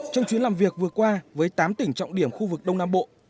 trong chuyến làm việc vừa qua với tám tỉnh trọng điểm khu vực đông nam bộ